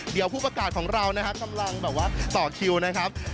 เดี๋ยวผู้ประกาศของเรานะครับกำลังแบบว่าต่อคิวนะครับ